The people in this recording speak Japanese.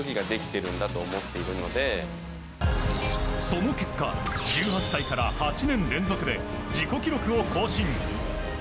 その結果１８歳から８年連続で自己記録を更新。